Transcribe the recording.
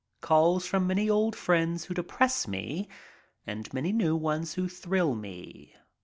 Calls from many old friends who depress me and many new ones who thrill me.